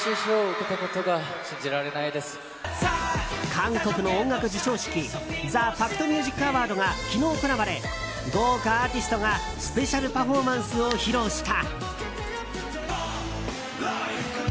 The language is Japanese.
韓国の音楽授賞式ザ・ファクト・ミュージック・アワードが昨日行われ豪華アーティストがスペシャルパフォーマンスを披露した。